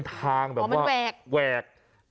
แบบนี้คือแบบนี้คือแบบนี้คือ